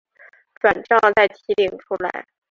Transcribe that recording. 转帐再提领出来